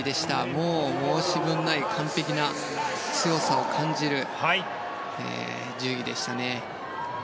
もう申し分ない完璧な強さを感じる演技でしたね。